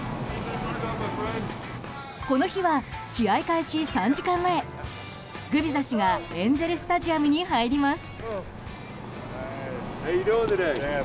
この日は試合開始３時間前グビザ氏がエンゼル・スタジアムに入ります。